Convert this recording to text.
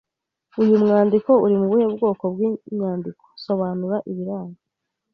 Uyu mwandiko uri mu buhe bwoko bw’imyandiko Sobanura ibiranga